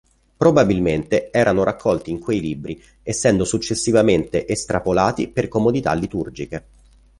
Probabilmente erano raccolti in quei libri essendo successivamente estrapolati per comodità liturgiche.